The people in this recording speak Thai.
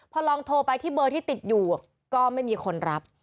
พอลองโทรไปที่เบอร์ที่ติดอยู่ก็ไม่มีคนรับ